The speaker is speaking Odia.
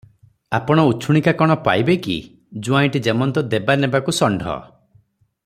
ଆପଣ ଉଛୁଣିକା କଣ ପାଇବେ କି! ଜୁଆଇଁଟି ଯେମନ୍ତ ଦେବା ନେବାକୁ ଷଣ୍ଢ ।